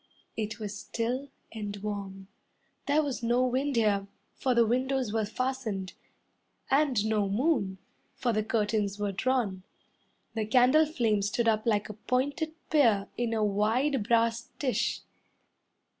It was still and warm. There was no wind here, for the windows were fastened; And no moon, For the curtains were drawn. The candle flame stood up like a pointed pear In a wide brass dish.